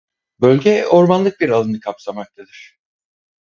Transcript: Bölge ormanlık bir alanı kapsamaktadır.